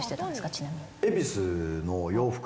ちなみに。